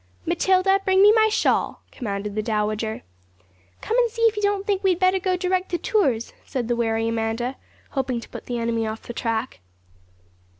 'Matilda, bring me my shawl,' commanded the Dowager. 'Come and see if you don't think we had better go direct to Tours,' said the wary Amanda, hoping to put the enemy off the track.